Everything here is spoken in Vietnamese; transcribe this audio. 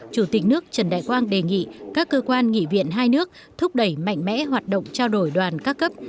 chủ tịch nước trần đại quang đề nghị các cơ quan nghị viện hai nước thúc đẩy mạnh mẽ hoạt động trao đổi đoàn các cấp